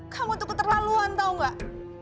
kamu tuh keterlaluan tau gak